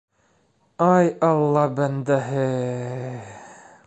Ай, алла бәндәһе...